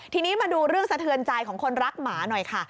ทีนี้มาดูเรื่องสะเทือนใจของคนรักหมาหน่อยค่ะ